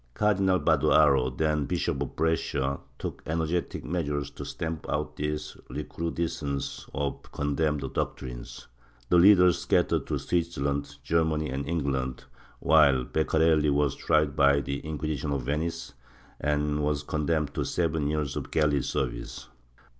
Cardinal Badoaro, then Bishop of Brescia, took ener getic measui'es to stamp out this recrudescence of the condemned doctrines; the leaders scattered to Switzerland, Germany and England, while Beccarelli was tried by the Inquisition of Venice and was condemned to seven years of galley service.